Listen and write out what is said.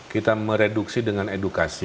kita mereduksi dengan edukasi